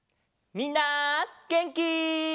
みんなげんき？